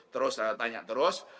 terus tanya terus